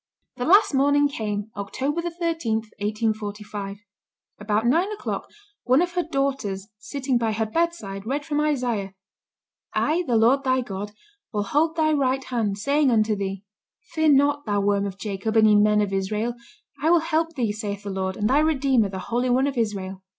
The last morning came, Oct. 13, 1845. About nine o'clock, one of her daughters, sitting by her bedside, read from Isaiah: "I, the Lord thy God, will hold thy right hand, saying unto thee, Fear not, thou worm of Jacob, and ye men of Israel, I will help thee, saith the Lord, and thy Redeemer, the Holy One of Israel."